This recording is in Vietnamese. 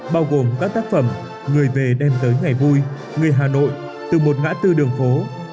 bao gồm các tác phẩm người về đem tới ngày vui người hà nội từ một ngã tư đường phố